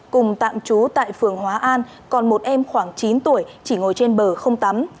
cùng tạm trú tại phường hóa an còn một em khoảng chín tuổi chỉ ngồi trên bờ không tắm